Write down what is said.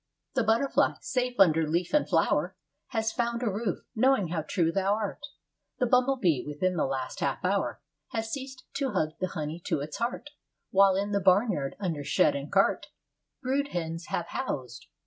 IV The butterfly, safe under leaf and flower, Has found a roof, knowing how true thou art; The bumblebee, within the last half hour, Has ceased to hug the honey to its heart; While in the barnyard, under shed and cart, Brood hens have housed.